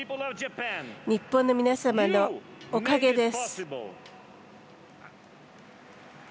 日本の皆様のおかげです。